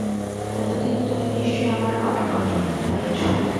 এতদিনে তুমি নিশ্চয়ই আমার অপর পত্রখানি পাইয়াছ।